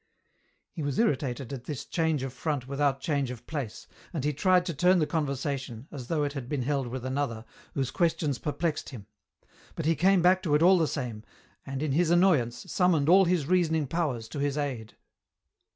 He was irritated at this change of front without change of place, and he tried to turn the conversation, as though it had been held with another, whose questions perplexed him ; but he came back to it all the same, and, in his annoyance, summoned all his reasoning powers to his aid.